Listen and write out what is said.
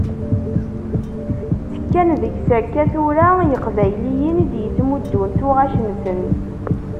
Ttekkan deg-s akka tura yiqbayliyen i d-yettmuddun tuɣac-nsen.